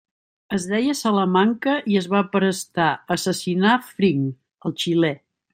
Es deia Salamanca i es va prestar a assassinar Fring, el xilè.